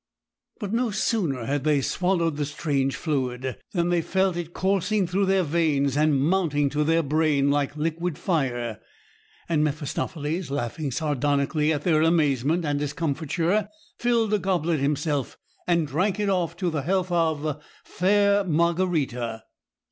But no sooner had they swallowed the strange fluid than they felt it coursing through their veins and mounting to their brain like liquid fire, and Mephistopheles, laughing sardonically at their amazement and discomfiture, filled a goblet himself, and drank it off to the health of "Fair Margarita!"